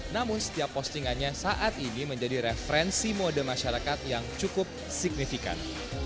namun setiap postingannya saat ini menjadi referensi mode masyarakat yang cukup signifikan